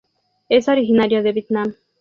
Es originario de Vietnam.